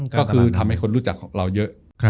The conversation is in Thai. ก็คือทำให้คนรู้จักของเราเยอะ